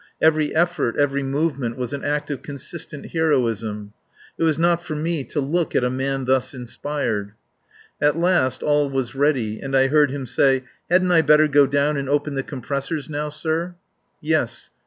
Every effort, every movement was an act of consistent heroism. It was not for me to look at a man thus inspired. At last all was ready and I heard him say: "Hadn't I better go down and open the compressors now, sir?" "Yes.